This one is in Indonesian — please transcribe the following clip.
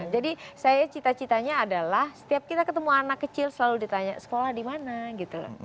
jadi saya cita citanya adalah setiap kita ketemu anak kecil selalu ditanya sekolah dimana gitu